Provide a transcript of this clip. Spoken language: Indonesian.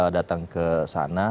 datang ke sana